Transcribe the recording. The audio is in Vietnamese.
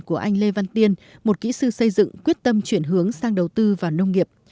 của anh lê văn tiên một kỹ sư xây dựng quyết tâm chuyển hướng sang đầu tư vào nông nghiệp